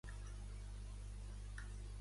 El meu fill es diu Raül: erra, a, ela.